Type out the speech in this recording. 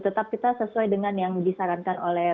tetap kita sesuai dengan yang disarankan oleh